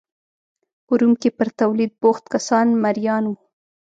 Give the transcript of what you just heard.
په روم کې پر تولید بوخت کسان مریان وو